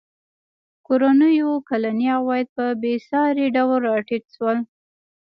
کورنیو کلني عواید په بېساري ډول راټیټ شول.